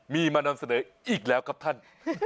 มีมานำเสนออีกแล้วครับท่าน